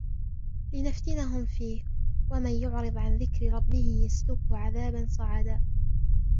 لِنَفْتِنَهُمْ فِيهِ وَمَنْ يُعْرِضْ عَنْ ذِكْرِ رَبِّهِ يَسْلُكْهُ عَذَابًا صَعَدًا